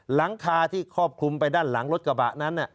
หลังคาที่ครอบคลุมไปด้านหลังรถกระบะนั้น